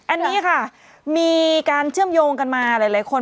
อันนี้ค่ะมีการเชื่อมโยงกันมาหลายคน